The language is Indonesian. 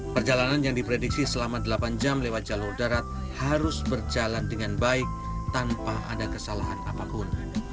perjalanan yang diprediksi selama delapan jam lewat jalur darat harus berjalan dengan baik tanpa ada kesalahan apapun